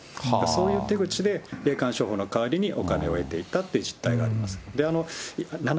そういう手口で、霊感商法の代わりにお金を得ていたという実態があります。